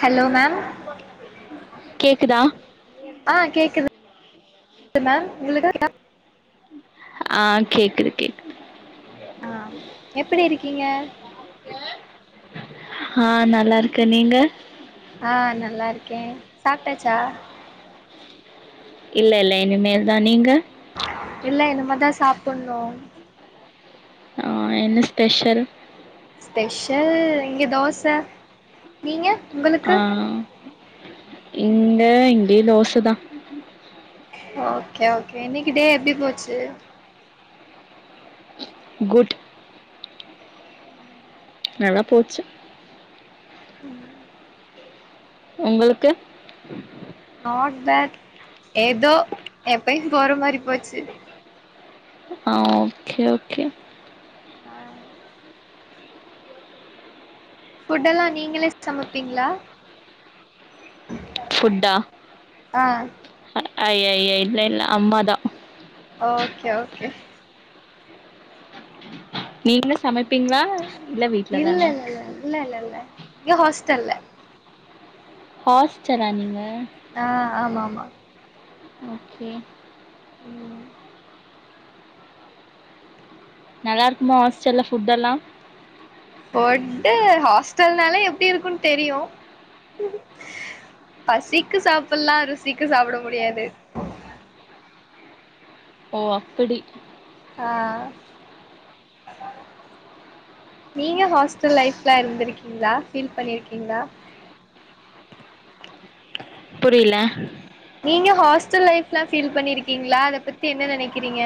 Hello ma'am கேக்குதா ஆ கேக்குது இ மேம் இதுல ஆ கேக்குது கேக்குது ஆ எப்புடி இருக்கீங்க ஆ நல்லா இருக்கே நீங்க ஆ நல்லா இருக்கேன் சாப்ட்டாச்சா இல்ல இல்ல இனிமேல் தான் நீங்க இல்ல இனிமதான் சாப்ணும் ஆ என்ன ஸ்பெஷல் ஸ்பெஷல் இங்க தோசை நீங்க நீங்க ஆ இங்க இதே நோஸ் தான் ஓகே ஓகே இன்னைக்கு டே எப்டி போச்சு குட் நல்லா போச்சு [inaudible] உங்களுக்கு நாட் பேட் ஏதோ எப்பயும் போற மாரி போச்சு ஆஹ் ஓகே ஓகே ஆ ஃபுட்டெல்லாம் நீங்களே சமைப்பீங்களா ஃபுட்டா ஆ அ ஐ ஐ ஐ இல்ல இல்ல அம்மாதா ஓகே ஓகே வீட்ல சமைப்பீங்களா இல்ல வீட்ல இல்ல தானா இல்ல இல்ல இல்ல இல்ல இல்ல இங்க ஹாஸ்டல்ல ஹாஸ்டலா நீங்க ஆ ஆமா ஆமா ஓகே நல்லாருக்குமா ஹாஸ்டல்ல ஃபுட் எல்லா ஃபுட்டு ஹாஸ்டல்னாலே எப்டி இருக்குன் தெரியு பசிக்கு சாப்ல்லா ருசிக்கு சாப்ட முடியாது ஓ அப்புடி ஆ நீங்க ஹாஸ்டல் லைஃப்ல இருந்திருக்கீங்களா ஃபீல் பண்ணிருக்கீங்களா புரியல நீங்க ஹாஸ்டல் லைஃப்ல்லா ஃபீல் பண்ணிருக்கீங்களா அத பத்தி என்ன நெனைக்கிறீங்க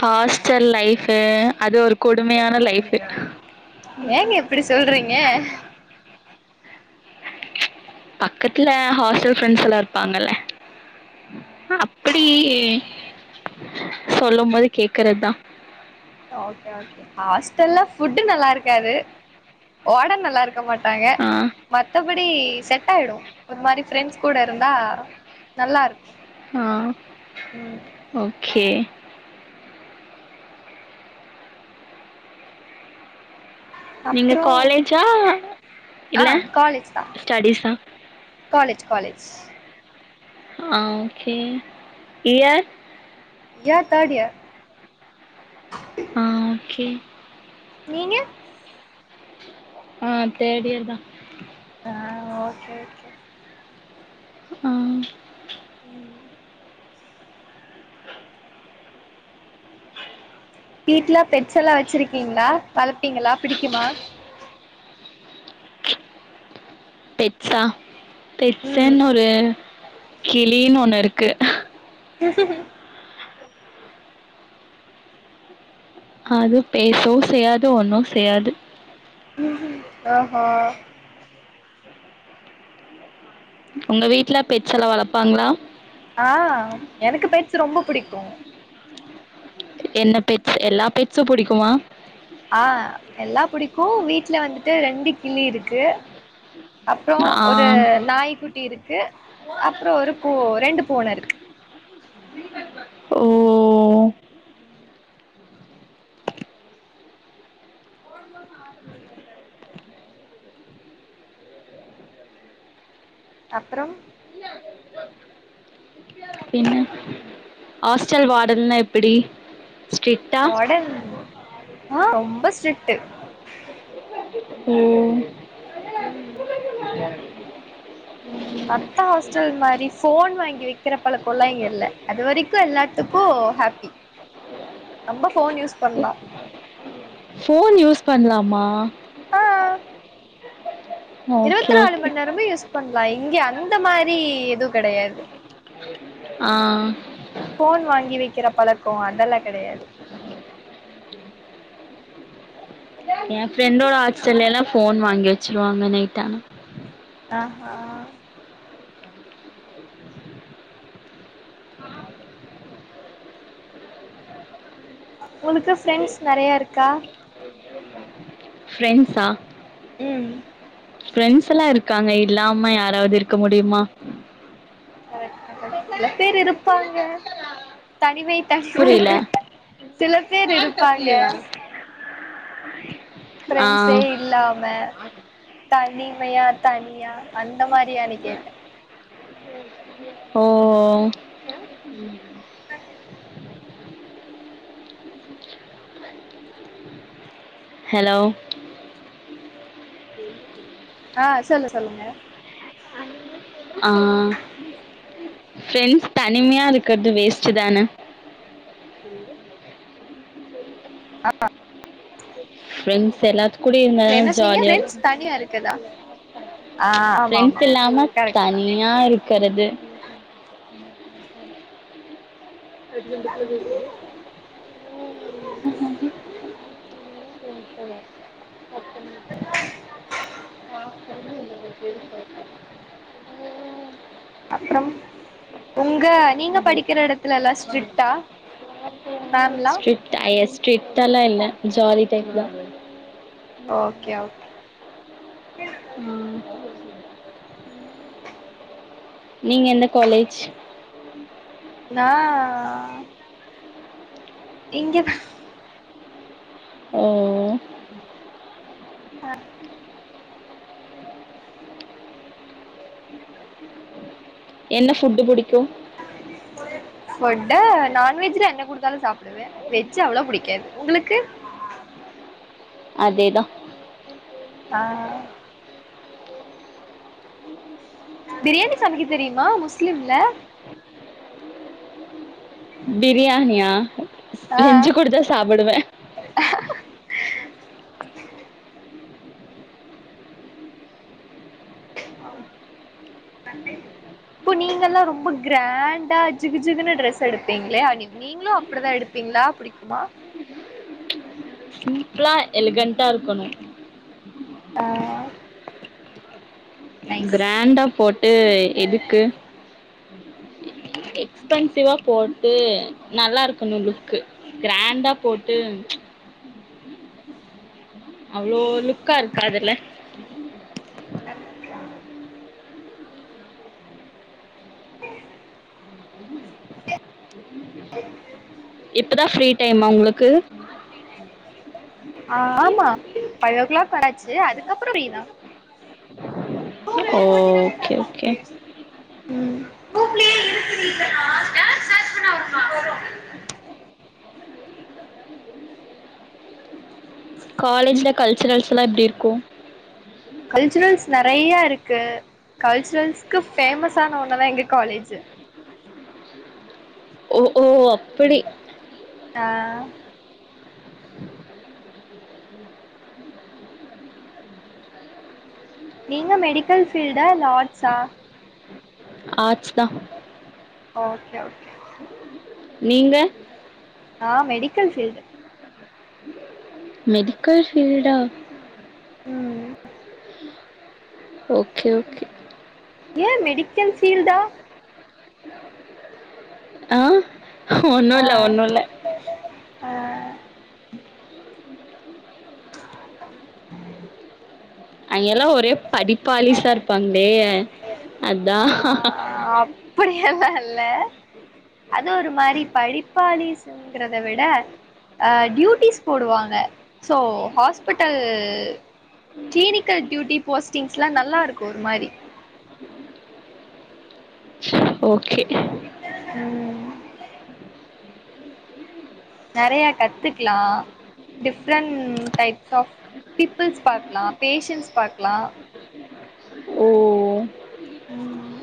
ஹாஸ்ட்டல் லைஃப்பு அது ஒரு கொடுமையான லைஃப்பு ஏங்க இப்டி [inaudible] பக்கத்துல ஹாஸ்ட்டல் ஃப்ரெண்ட்ஸ் எல்லா இருப்பாங்கள ஆஹா அப்படி சொல்லும் போது கேக்கறதா ஆ ஓகே ஓகே ஹாஸ்டல்ல ஃபுட்டு நல்லா இருக்காது வாடண் நல்லா இருக்கமாட்டாங்க ஆ மத்தபடி செட் ஆயிடு ஒரு மாரி ஃப்ரெண்ட்ஸ் கூட இருந்தா நல்லாருக்கு ஆ ம் ஓகே நீங்க அப்றோ காலேஜா ஆ இல்ல காலேஜ் தா ஸ்டடிஸ்ஸா காலேஜ் காலேஜ் ஆ okay year year third year ஆ ஓகே நீங்க? ஆ தேர்டு இயர்தா. ஆ ஓகே ஓகே. ஆ ம் வீட்ல பெட்ஸல்லா வச்சிருக்கீங்களா வளப்பீங்களா பிடிக்குமா? பெட்ஸா? ம் பெட்ஸுன்னு ஒரு கிளின்னு ஒண்ணு இருக்கு. [unintelligible] அது பேசவு செய்யாது ஒண்ணு செய்யாது ம்ஹூம் ஓஹோ உங்க வீட்ல பெட்ஸல்லா வளப்பாங்களா? ஆ எனக்கு பெட்ஸ் ரொம்ப புடிக்கு. என்ன பெட்ஸ் எல்லா பெட்ஸு புடிக்குமா? ஆ எல்லா புடிக்கு வீட்ல வந்துட்டு ரெண்டு கிளி இருக்கு. அப்றோ ஆ. ஒரு நாய்குட் டி இருக்கு அப்றோ ஒரு பூ ரெண்டு பூன இருக்கு. ஓ! அப்றம்? ஹாஸ்ட்டல் வாடன்லா எப்பிடி? வாடன் ஆ ரொம்ப ஸ்ட்ரிக்ட்டு. ம் ம் மத்த ஹாஸ்டல் மாரி ஃபோன் வாங்கி வைக்கிற பழக்கோல்லா இங்க இல்ல. அதுவரைக்கு எல்லாத்துக்கு ஹாப்பி ரொம்ப ஃபோன் யூஸ் பண்லா. ஃபோன் யூஸ் பண்லாமா? இருபத்தி ஓகே, நாலு ஓகே. மணி நேரமு யூஸ் பண்லா இங்க அந்த மாரி எதுவு கெடையாது. ஆ ஃபோன் வாங்கி வைக்கிற பழக்கோ அதெல்லா கெடையாது. என் ஃப்ரெண்டோட ஹாஸ்டல்ல எல்லா ஃபோன் வாங்கி வச்சிருவாங்க நைட் ஆனா. ஆ ஹா. உனக்கு ஃப்ரெண்ட்ஸ் நெறைய இருக்கா? ஃப்ரெண்ட்ஸா? ம் ஃபிரண்ட்ஸ் எல்லா இருக்காங்க இல்லாம யாராவது இருக்க முடியுமா? கரெக்ட் கரெக்ட் சில பேர் இருப்பாங்க தனிமை புரியல. [unintelligible] சில பேர் இருப்பாங்க ஆ. ஃபிரெண்ட்ஸே இல்லாம தனிமையா தனியா அந்த மாரியானு கேட்டேன் ஓ ஓ உஹ [inaudible] ஹலோ ஆஹ் சொல்லு சொல்லுங்க ஆஹ் ப்ரெண்ட்ஸ் தனிமையா இருக்கிறது வேஸ்டு தானே ஆஹ் பிரிண்ட்ஸ் எல்லா என்ன சொன்னீங்க ப்ரெண்ட்ஸ் தனியா இருக்குறத ப்ரெண்ட்ஸ் இல்லாம கரெக்ட் தா தனியா இருக்கிறது அடிக்கண்டு பிரசது [inaudible] [inaudible] [inaudible] அப்பறம் உங்க நீங்க படிக்கிற இடத்துல எல்லாம் ஸ்ட்ரிக்ட்ட ஸ்ட்ரிட் ஐ எஸ் ஸ்ட்ரிக்ட்ட எல்லா இல்ல ஜாலி டைப் தான் ஓகே ஓகே ம் உம் நீங்க எந்த காலேஜ் நான் இங்கதா உம் ஆ என்ன ஃபுட்டு புடிக்கும் ஃபுட்டு நான்வெஜ்ல என்ன குடுத்தாலும் சாப்பிடுவே வெஜ் அவ்ளவா புடிக்காது உங்களுக்கு அதேதான் ஆஹ் பிரியாணி சமைக்க தெரியுமா முஸ்லிம்ல பிரியாணியா ஆ செஞ்சு கொடுத்தா சாப்பிடுவேன் இப்போ நீங்க எல்லாம் ரொம்ப கிராண்டா ஜிகுஜிகுன்னு டிரஸ் எடுப்பீங்களே நீங்களும் அப்படிதான் எடுப்பீங்களா புடிக்குமா இப்பலா எழுகண்டா இருக்கணும் ஆஹ் கிராண்டா போட்டு எதுக்கு உம் எக்ஸ்பென்சிவா போட்டு நல்லா இருக்கு னும் லுக்கு கிராண்டா போட்டு அவ்ளோ லுக்கா இருக்காதுல உ [inaudible] இப்பதா ஃபிரீ டைமா உங்களுக்கு? ஆ ஆமா ஃபைவ் ஓ கிளாக் ஆச்சு அதுக்கப்றோ ஃப்ரீதா ஓகே ஓகே ம் காலேஜ்ல கல்ச்சரல்ஸ்லா எப்டி இருக்கு? கல்ச்சுரல்ஸ் நெறைய இருக்கு. கல்ச்சுரல்ஸ்க்கு பேஃமஸான ஒண்ணுதா எங்க காலேஜு. ஓ ஓ அப்படி. ஆ நீங்க மெடிக்கல் ஃபீல்டா இல்ல ஆர்ட்ஸா? ஆர்ட்ஸ்தா. Okay okay. நீங்க? ஆ மெடிக்கல் ஃபீல்டு. மெடிக்கல் ஃபீல்டா? ம் ஓகே ஓகே. ஏன் மெடிக்கல் ஃபீல்டா ஆ ஒண்ணு ஆ இல்ல ஒண்ணு இல்ல. ஆ ஐய அங்கல்லா ஒரே படிப்பாலிஸா இருப்பாங்களே அதா பிடி எல்லா இல்ல அது ஒரு மாரி படிப்பாலீஸ்ங்கறத விட டியூட்டிஸ் போடுவாங்க சோ ஹாஸ்பிட்டல் கிளினிக்கல் டியூட்டி போஸ்ட்டிங்ஸ்லா நல்லா இருக்கு ஒரு மாரி. ஓகே ம் நெறைய கத்துக்லா டிஃப்ரெண்ட் டைப்ஸ் ஆஃப் பீப்பிள்ஸ் பாக்லா பேஷன்ஸ் பாக்லா ஓ ம்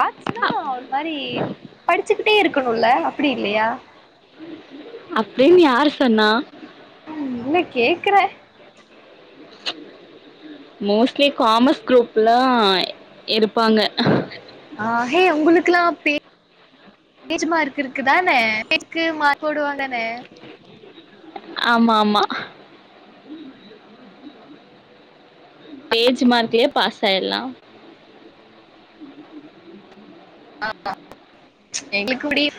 ஆர்ட்ஸ்னா ஒரு மாரி படிச்சுக்கிட்டே இருக்கணுல்ல அப்பிடி இல்லயா? அப்டின்னு யாரு சொன்னா? ம் இல்ல கேக்குற. மோஸ்ட்லி காமர்ஸ் குரூப்லா இரு ப்பாங்க ஆ ஹே உங்களுக்கெல்லா பே பேஜ் மார்க் இருக்குதானே பேஜ்க்கு மார்க் போடுவாங்கதானே? ஆமா ஆமா. Page மார்க்லயே pass ஆயிரலா. ஆ ஆ [inaudible]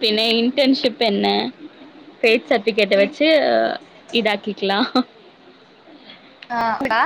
பின்ன இன்டன்ஷிப் என்ன ஃபேக் சர்ட்டிஃபிகேட்ட வச்சு இதாக்கிக்கலா. ஆ அக்கா